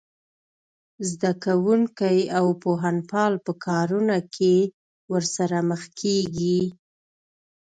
زده کوونکي او پوهنپال په کارونه کې ورسره مخ کېږي